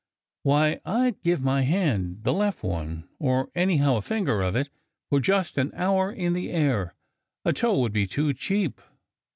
"Why, I d give my hand the left one or anyhow, a finger of it for just an hour in the air. A toe would be too cheap."